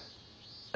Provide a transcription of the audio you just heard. え？